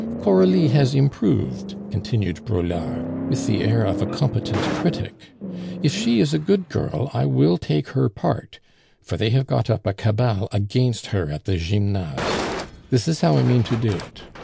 "Coralie has improved," continued Braulard, with the air of a competent critic. "If she is a good girl, I will take her part, for they have got up a cabal against her at the Gymnase. This is how I mean to do it.